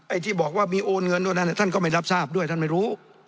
ที่บอกว่ามีโอนเงินด้วยนั้นท่านก็ไม่รับทราบด้วยท่านไม่รู้